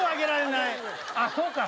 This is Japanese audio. あっそうか。